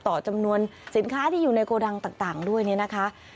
ต่อจำนวนสินค้าที่อยู่ในโกดังต่างด้วยเนี่ยนะคะ